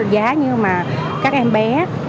giá như mà các em bé